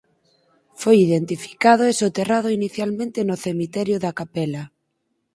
Foi identificado e soterrado inicialmente no cemiterio da Capela.